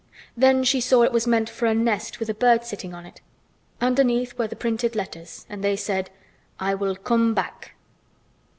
Then she saw it was meant for a nest with a bird sitting on it. Underneath were the printed letters and they said: "I will cum bak."